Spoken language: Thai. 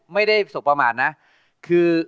ไม่ได้สบประมาทนะคือ